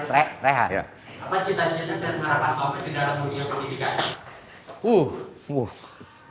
di dalam budaya politik anda